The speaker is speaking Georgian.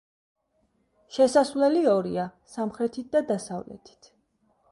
შესასვლელი ორია: სამხრეთით და დასავლეთით.